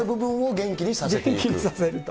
元気にさせると。